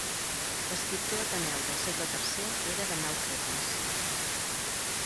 L'escriptor Ateneu del segle III era de Nàucratis.